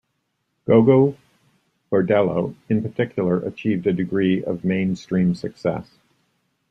Gogol Bordello, in particular, achieved a degree of mainstream success.